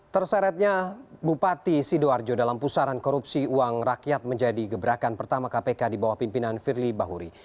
terseretnya bupati sidoarjo dalam pusaran korupsi uang rakyat menjadi gebrakan pertama kpk di bawah pimpinan firly bahuri